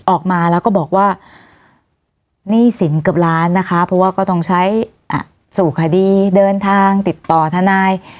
ออกมาแล้วก็บอกว่าหนี้สินเกือบล้านนะคะเพราะว่าก็ต้องใช้สู่คดีเดินทางติดต่อทนาย